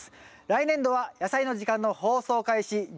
来年度は「やさいの時間」の放送開始お！